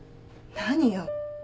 何よ。